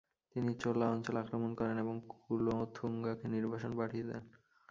তিনি চোলা অঞ্চল আক্রমণ করেন এবং কুলোথুঙ্গাকে নির্বাসনে পাঠিয়ে দেন।